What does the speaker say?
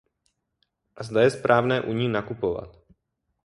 A zda je správné u ní nakupovat.